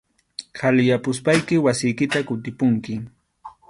Qhaliyapuspayki wasiykita kutipunki.